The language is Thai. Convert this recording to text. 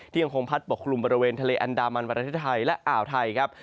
ยังคงพัดปกคลุมบริเวณทะเลอันดามันประเทศไทยและอ่าวไทยครับ